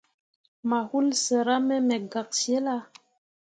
Mayuulii sera me me gak cillah.